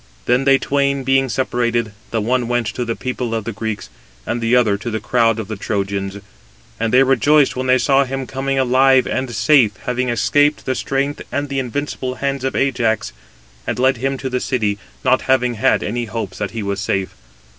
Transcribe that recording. Then they twain being separated, the one went to the people of the Greeks, and the other to the crowd of the Trojans: and they rejoiced when they saw him coming alive and safe, having escaped the strength and the invincible hands of Ajax; and led him to the city, not having had any hopes that he was safe.